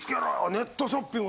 ネットショッピング